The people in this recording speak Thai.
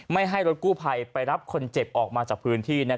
ให้รถกู้ภัยไปรับคนเจ็บออกมาจากพื้นที่